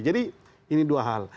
jadi ini dua hal